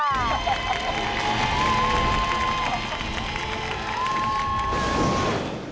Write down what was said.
ขอบคุณครับ